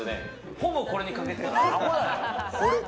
ほぼこれにかけてる。